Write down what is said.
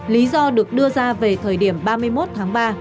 lý do được đưa ra về thời điểm ba mươi một tháng ba